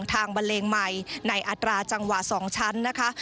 ต่างบัลเลงใหม่ในอัตราจังหวะสองชั้นนะคะ